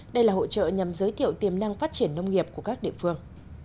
đây là hội trợ nhằm giới thiệu tiềm năng phát triển nông nghiệp của các địa phương